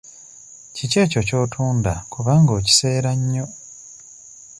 Kiki ekyo ky'otunda kubanga okiseera nnyo?